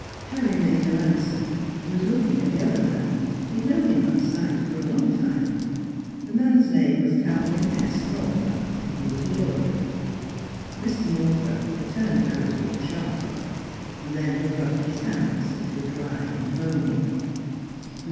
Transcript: " Harry made no answer. He was looking at the other man. He had known him by sight for a long time. The man's name was Calvin S. Northrup. He was a lawyer. Mr. Northrup returned Harry's look sharply. Then he rubbed his hands, which were dry and bony.